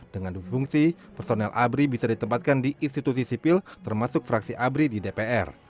dengan dufungsi personel abri bisa ditempatkan di institusi sipil termasuk fraksi abri di dpr